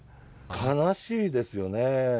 悲しいですよね。